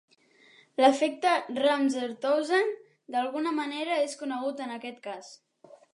L'efecte Ramseur-Townsend d'alguna manera és conegut en aquest cas.